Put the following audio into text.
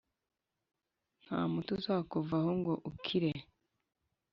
nta muti uzakuvura ngo ukire.